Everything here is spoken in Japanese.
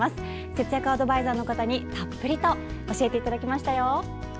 節約アドバイザーの方にたっぷりと教えていただきましたよ。